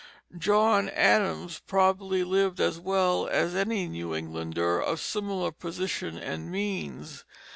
John Adams probably lived as well as any New Englander of similar position and means.